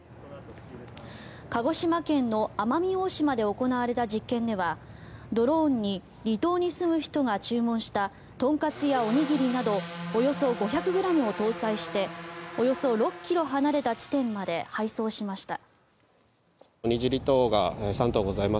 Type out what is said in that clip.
鹿児島県の奄美大島で行われた実験ではドローンに離島に住む人が注文した豚カツやおにぎりなどおよそ５００ｇを搭載しておよそ６ｋｍ離れた地点まで配送しました。